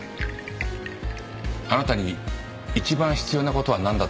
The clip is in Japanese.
あなたに一番必要な事はなんだと思います？